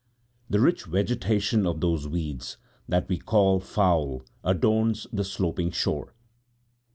The rich vegetation of those weeds that we call foul adorns the sloping shore.